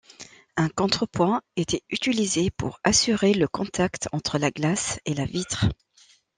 Un contrepoids était utilisé pour assurer le contact entre la glace et la vitre.